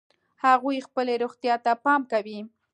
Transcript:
هغوی خپلې روغتیا ته پام کوي